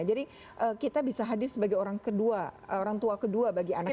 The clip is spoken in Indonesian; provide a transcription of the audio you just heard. jadi kita bisa hadir sebagai orang kedua orang tua kedua bagi anak ini